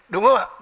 đúng không ạ